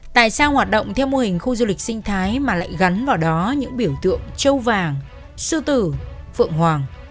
tại sao hoạt động theo mô hình khu du lịch sinh thái mà lại gắn vào đó những biểu tượng châu vàng sư tử phượng hoàng